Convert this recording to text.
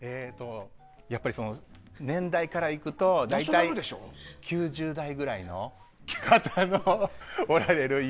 やっぱり、年代から行くと大体９０代ぐらいの方のおられる家。